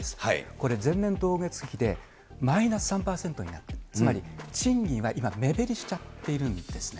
これ、前年同月比でマイナス３％になって、つまり賃金は今、目減りしちゃってるんですね。